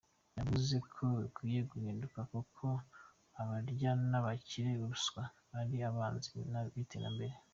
Yavuze ko bikwiye guhinduka kuko abarya n’abakira ruswa ari abanzi b’iterambere.